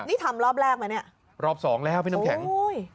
นี่ทำรอบแรกไหมเนี่ยรอบสองแล้วพี่น้ำแข็งอุ้ย